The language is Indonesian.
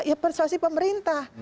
ya persuasi pemerintah